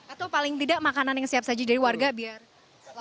atau paling tidak makanan yang siap saji dari warga biar selamat